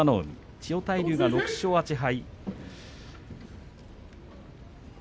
千代大龍は６勝８敗。